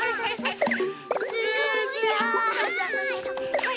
はい。